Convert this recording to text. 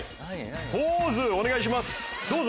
ポーズお願いしますどうぞ！